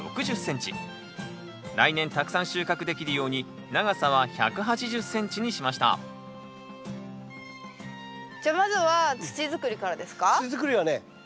来年たくさん収穫できるように長さは１８０ｃｍにしましたじゃあまずは土づくりからですか？